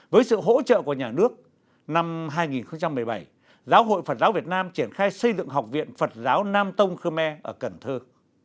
với sự hỗ trợ của nhà nước năm hai nghìn một mươi bảy giáo hội phật giáo việt nam triển khai xây dựng học viện phật giáo nam tông khmer ở cần thơ